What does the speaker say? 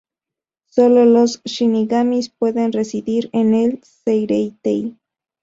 Sólo los shinigamis pueden residir en el Seireitei.